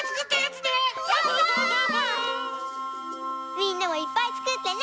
みんなもいっぱいつくってね！